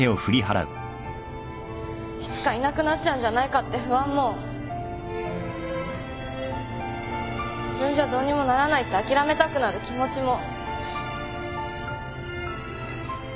いつかいなくなっちゃうんじゃないかって不安も自分じゃどうにもならないってあきらめたくなる気持ちも。